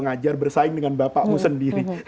kamu harus mengajar bersaing dengan bapakmu sendiri